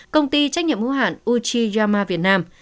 công ty trách nhiệm hữu hạn uchiyama việt nam